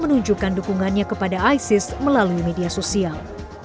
menunjukkan dukungannya kepada isis melalui media sosial